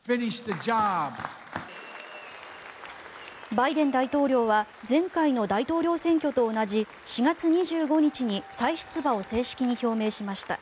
バイデン大統領は前回の大統領選挙と同じ４月２５日に再出馬を正式に表明しました。